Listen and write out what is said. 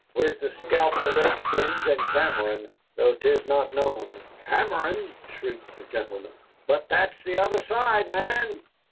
"We're to scalp the redskins and Cameron, though 'tis not known." "Cameron!" shrieked the gentleman. "But that's the other side, man!